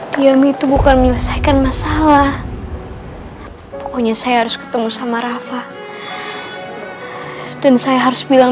diam itu bukan menyelesaikan masalah pokoknya saya harus ketemu sama rafa dan saya harus bilang